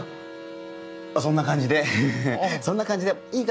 そんな感じでそんな感じでいい感じで。